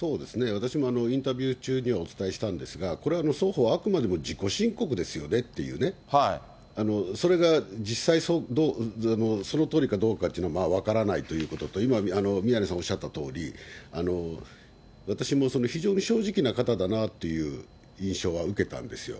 私もインタビュー中にはお伝えしたんですが、これは双方あくまでも自己申告ですよねっていうね、それが実際、そのとおりかどうかっていうのは分からないということと、今、宮根さんおっしゃったとおり、私も非常に正直な方だなという印象は受けたんですよ。